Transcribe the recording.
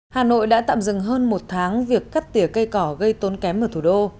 hà nội đã tạm dừng hơn một tháng việc cắt tỉa cây cỏ gây tốn kém ở thủ đô